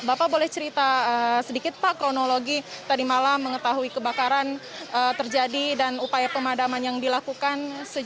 bapak boleh cerita sedikit pak kronologi tadi malam mengetahui kebakaran terjadi dan upaya pemadaman yang dilakukan